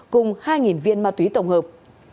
cùng hai viên ma túy tổng hợp